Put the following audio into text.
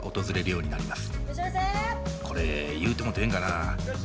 これ言うてもうてええんかな。